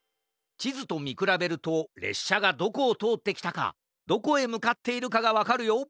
ちずとみくらべるとれっしゃがどこをとおってきたかどこへむかっているかがわかるよ。